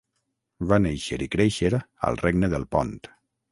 Va néixer i créixer al Regne del Pont.